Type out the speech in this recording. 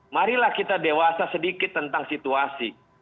marilah kita dewasa sedikit tentang situasi